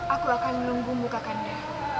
aku akan melumbungmu kakanda